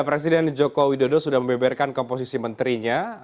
presiden jokowi dodo sudah membeberkan komposisi menterinya